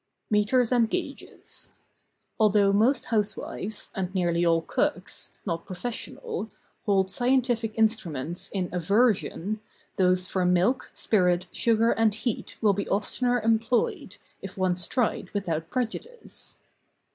METERS AND GAUGES. Although most housewives, and nearly all cooks, not professional, hold scientific instruments in aversion, those 8 THE BOOK OF ICES. for milk, spirit, sugar and heat will be oftener employed, if once tried without prejudice.